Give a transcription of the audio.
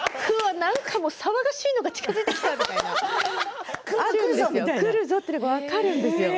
騒がしいのが近づいてきたみたいな来るぞっていうのが分かるんですよ。